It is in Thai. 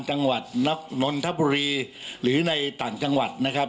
จังหวัดนนทบุรีหรือในต่างจังหวัดนะครับ